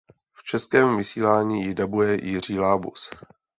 V českém vysílání ji dabuje Jiří Lábus.